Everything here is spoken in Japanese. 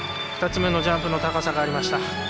２つ目のジャンプの高さがありました。